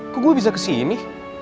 kok gue bisa kesini